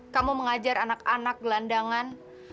kamu mengajar anak anak gelandangan